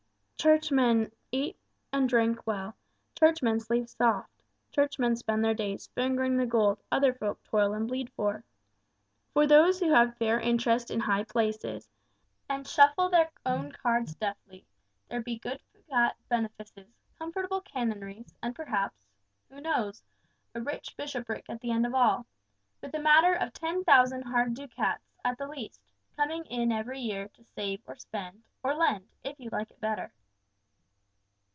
Churchmen eat well and drink well churchmen sleep soft churchmen spend their days fingering the gold other folk toil and bleed for. For those who have fair interest in high places, and shuffle their own cards deftly, there be good fat benefices, comfortable canonries, and perhaps who knows? a rich bishopric at the end of all; with a matter of ten thousand hard ducats, at the least, coming in every year to save or spend, or lend, if you like it better."